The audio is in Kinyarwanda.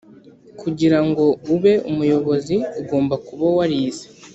kugira ngo ube umuyobozi ugomba kuba warize